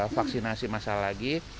vaksinasi masalah lagi